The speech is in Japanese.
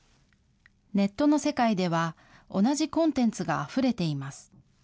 ネットの世界では、同じコンテンツがあふれています。